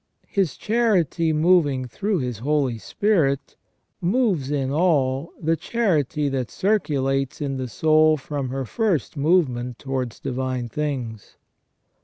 His charity moving through His Holy Spirit moves in all the charity that circulates in the soul from her first movement towards divine things.